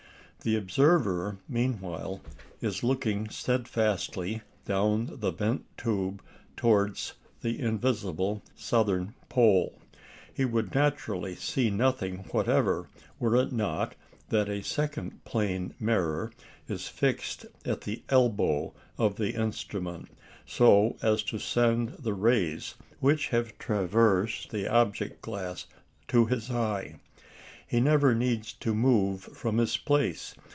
The observer, meanwhile, is looking steadfastly down the bent tube towards the invisible southern pole. He would naturally see nothing whatever were it not that a second plane mirror is fixed at the "elbow" of the instrument, so as to send the rays which have traversed the object glass to his eye. He never needs to move from his place.